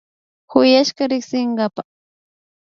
Shuyashka riksinkapa